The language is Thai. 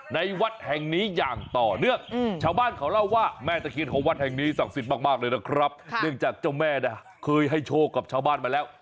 เนื่องจากเจ้าแม่เคยให้โชคกับชาวบ้านมาแล้ว